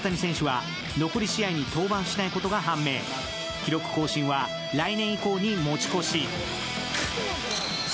記録更新は来年以降に持ち越し。